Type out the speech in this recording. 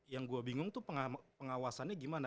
yang gue bingung tuh pengawasannya gimana